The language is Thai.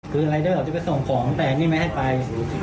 คือรายเดอร์จะไปส่งของแต่นี่ไม่ให้ไป